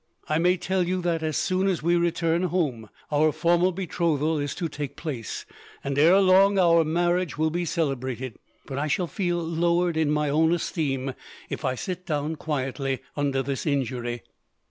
I may tell you that, as soon as we return home, our formal betrothal is to take place, and ere long our marriage will be celebrated; but I shall feel lowered, in my own esteem, if I sit down quietly under this injury."